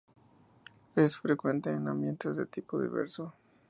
Es frecuente en ambientes de tipo diverso.